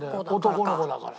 男の子だから。